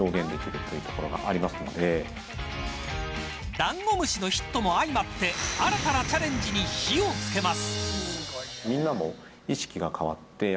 だんごむしのヒットも相まって新たなチャレンジに火をつけます。